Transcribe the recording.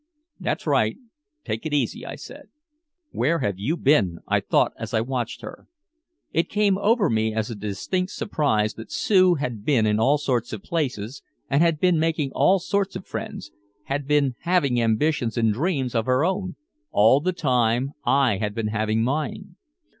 "That's right, take it easy," I said. "Where have you been!" I thought as I watched her. It came over me as a distinct surprise that Sue had been in all sorts of places and had been making all sorts of friends, had been having ambitions and dreams of her own all the time I had been having mine.